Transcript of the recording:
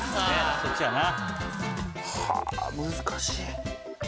そっちだな。